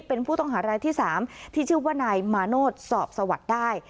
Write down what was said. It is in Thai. เป็นผู้ต้องหารายที่๓ที่ชื่อว่านายมาโนธสอบสวัสดิ์ได้